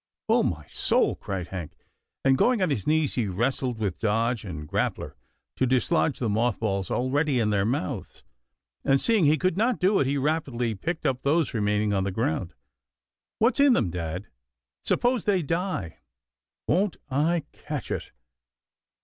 " Oh, my soul !" cried Hank, and, going on his knees, he wrestled with Dodge and Grappler, to dis lodge the moth balls already in their mouths, and, seeing he could not do it, he rapidly picked up those remaining on the ground. " What's in them, dad — s'pose they die ? Won't I catch it?"